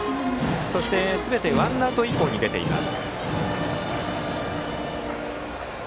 そしてすべてワンアウト以降に出ています。